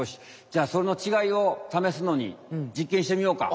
じゃそのちがいをためすのに実験してみようか。